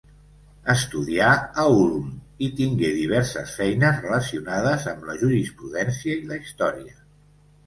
Estudià a Ulm i tingué diverses feines relacionades amb la jurisprudència i la història.